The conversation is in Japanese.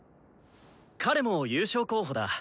彼も優勝候補だ。